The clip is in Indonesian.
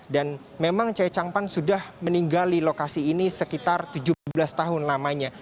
memang chai chang pan sudah meninggali lokasi ini sekitar tujuh belas tahun namanya